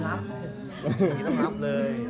ตรงนี้ต้องรับเลย